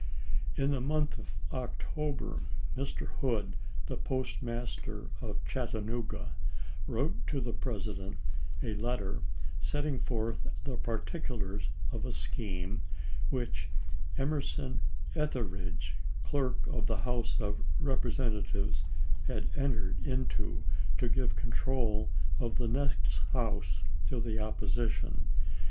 In the month of October Mr. Hood, the postmaster at Chattanooga, wrote to the President a letter setting forth the particulars of a scheme which Emerson Etheridge, Clerk of the House of Repre sentatives, had entered into to give control of the next House to the opposition.